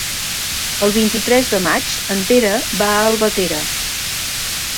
El vint-i-tres de maig en Pere va a Albatera.